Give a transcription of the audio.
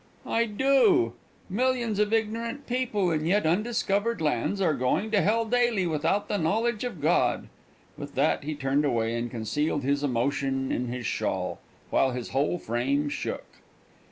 "I do. Millions of ignorant people in yet undiscovered lands are going to hell daily without the knowledge of God." With that he turned away, and concealed his emotion in his shawl, while his whole frame shook.